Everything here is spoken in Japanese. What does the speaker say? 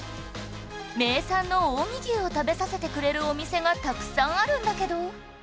名産の近江牛を食べさせてくれるお店がたくさんあるんだけど